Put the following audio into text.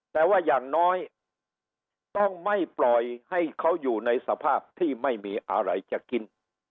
แต่ว่าอย่างน้อยต้องไม่ปล่อยให้เขาอยู่ในสภาพที่ไม่มีอะไรจะกิน